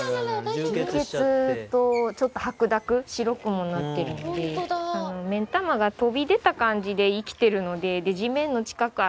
充血とちょっと白濁白くもなってるので目ん玉が飛び出た感じで生きてるのでで地面の近く歩